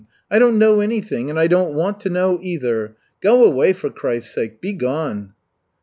I don't know anything, and I don't want to know either. Go away, for Christ's sake, be gone!"